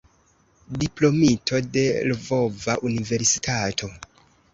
Diplomito de Lvova Universitato.